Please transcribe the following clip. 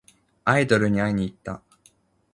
アイドルに会いにいった。